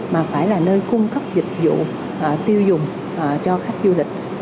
mà phải là nơi cung cấp dịch vụ tiêu dùng cho khách du lịch